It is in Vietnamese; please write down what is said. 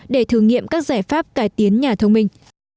để thử nghiệm các giải pháp cải tiến nhà thông minh